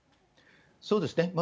そうですね。